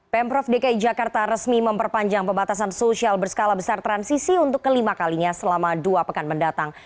pemprov dki jakarta resmi memperpanjang pembatasan sosial berskala besar transisi untuk kelima kalinya selama dua pekan mendatang